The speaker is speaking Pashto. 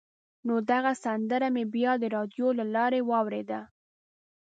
نو دغه سندره مې بیا د راډیو له لارې واورېده.